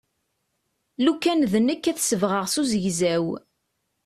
Lukan d nekk ad t-sebɣeɣ s uzegzaw.